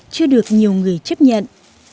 chưa được nhiều người chấp nhận